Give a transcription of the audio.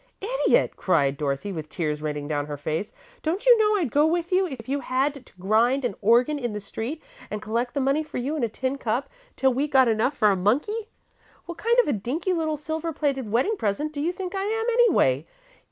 "Idiot," cried Dorothy, with tears raining down her face, "don't you know I'd go with you if you had to grind an organ in the street, and collect the money for you in a tin cup till we got enough for a monkey? What kind of a dinky little silver plated wedding present do you think I am, anyway?